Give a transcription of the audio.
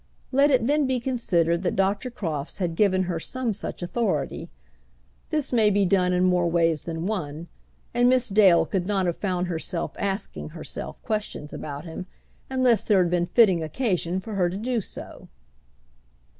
Let it then be considered that Dr. Crofts had given her some such authority. This may be done in more ways than one; and Miss Dale could not have found herself asking herself questions about him, unless there had been fitting occasion for her to do so.